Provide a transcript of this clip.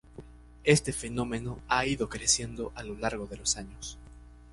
Este fenómeno ha ido creciendo a lo largo de los años.